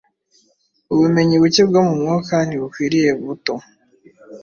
Ubumenyi buke bwo mu mwuka ntibukwiriye buto